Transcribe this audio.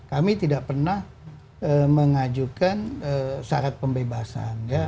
kami tidak pernah mengajukan syarat pembebasan